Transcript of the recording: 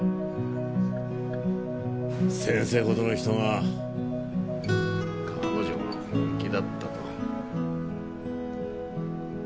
先生ほどの人が彼女が本気だったと？